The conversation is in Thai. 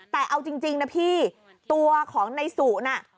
แต่เอาจริงนะพี่ตัวของในสุน่ะ